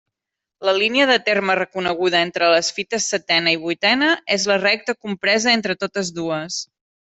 La línia de terme reconeguda entre les fites setena i vuitena és la recta compresa entre totes dues.